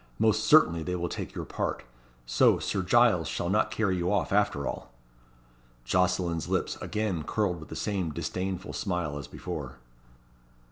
Most certainly they will take your part. So, Sir Giles shall not carry you off, after all." Jocelyn's lips again curled with the same disdainful smile as before.